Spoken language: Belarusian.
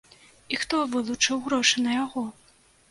І хто вылучыў грошы на яго?